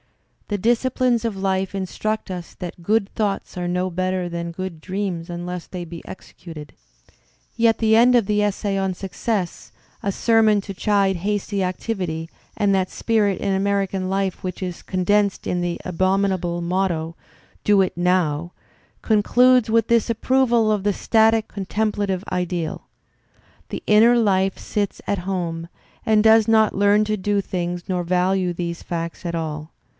The disciplines of life instruct us that '"good thoughts are no better than good dreams unless they be executed." Yet the end of the essay on "Success," a sermon to chide hasty activity and that spirit in American life which is condensed in the abominable motto, "Do it "now," concludes with this approval of the static contempla tive ideal: "The inner life sits at home, and does not learn to do things nor value these facts at all.